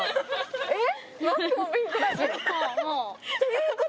えっ。